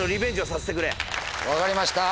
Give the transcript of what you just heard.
分かりました。